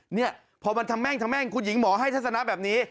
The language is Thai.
เนี่ยพอมันทำแม่งทำแม่งคุณหญิงหมอให้ทัศนะแบบนี้